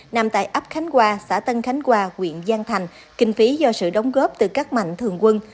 nằm tại ấp khánh qua xã tân khánh qua huyện giang thành kinh phí do sự đóng góp từ các mạnh thường quân